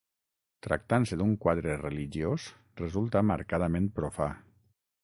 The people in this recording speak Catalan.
Tractant-se d'un quadre religiós, resulta marcadament profà.